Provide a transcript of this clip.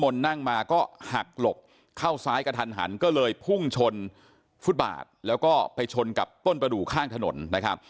แล้วรถที่นั่งกันมา